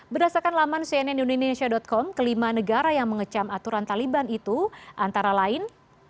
berdasarkan laman cnnindonesia com kelima negara yang mengecam aturan taliban itu antara lain